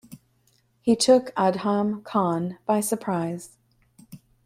He took Adham Khan by surprise.